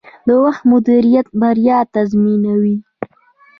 د وخت مدیریت بریا تضمینوي.